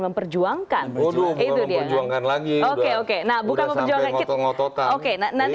memperjuangkan bodoh itu dia lagi oke oke nah buka buka jalan kita ngotot ngototan oke nanti